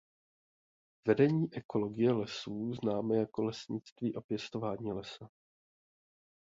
Vedení ekologie lesů známe jako lesnictví a pěstování lesa.